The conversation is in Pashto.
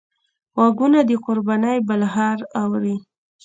غوږونه د قربانۍ بلهار اوري